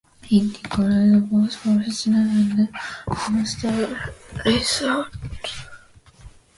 It includes both professional and amateur sailors.